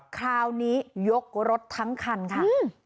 คราวนี้ยกรถทั้งคันค่ะ